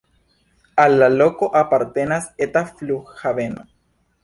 Al la loko apartenas eta flughaveno.